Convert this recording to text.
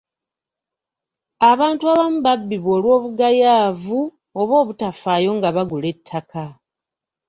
Abantu abamu babbibwa olw'obugayaavu oba obutafaayo nga bagula ettaka.